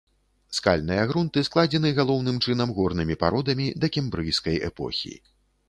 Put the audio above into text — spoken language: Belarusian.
Скальныя грунты складзены галоўным чынам горнымі пародамі дакембрыйскай эпохі.